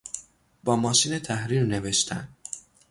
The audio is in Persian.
با ماشین تحریر نوشتن